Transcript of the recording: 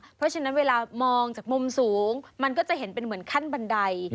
เพราะฉะนั้นเวลามองจากมุมสูงมันก็จะเห็นเป็นเหมือนขั้นบันได